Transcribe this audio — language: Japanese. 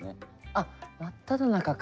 あっ真っただ中か。